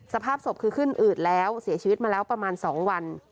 สภาพศพคือขึ้นอืดแล้วเสียชีวิตมาแล้วประมาณ๒วัน